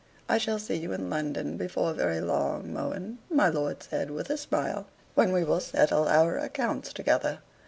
"I shall see you in London before very long, Mohun," my lord said, with a smile, "when we will settle our accounts together."